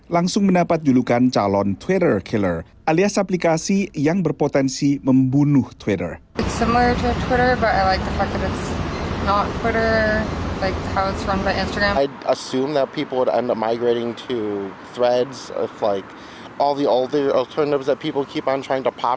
langsung mendapat julukan calon twitter killer alias aplikasi yang berpotensi membunuh twitter